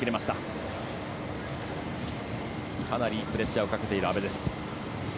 かなりプレッシャーをかけている阿部です。